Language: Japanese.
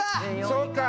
そうか。